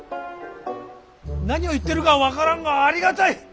何を言ってるか分からんがありがたい！